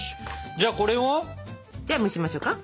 じゃあ蒸しましょうか。